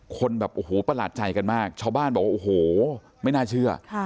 คนแบบโอ้โหประหลาดใจกันมากชาวบ้านบอกว่าโอ้โหไม่น่าเชื่อ